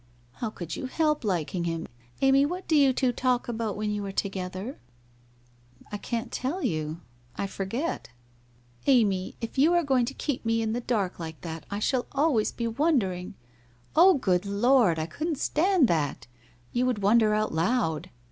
1 ' How could you help liking him? Amy, what do you two talk about when you arc together? ' 200 WHITE ROSE OF WEARY LEAF * I can't tell you. ... I forget? * Amy, if you are going to keep me in the dark like that I shall always be wondering ' 'Oh, good Lord! I couldn't stand that. You would wonder out loud.